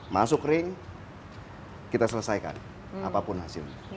masuk ring kita selesaikan apapun hasilnya